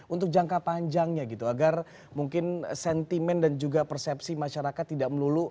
untuk jangka panjangnya gitu agar mungkin sentimen dan juga persepsi masyarakat tidak melulu